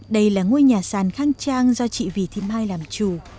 đây là ngôi nhà sàn khang trang do chị vì thị mai làm chủ